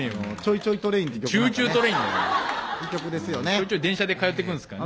ちょいちょい電車で通ってくんすかね。